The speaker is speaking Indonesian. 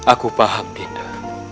aku paham dinda